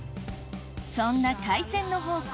そんな海鮮の宝庫